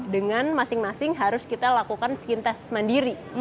dengan masing masing harus kita lakukan skin test mandiri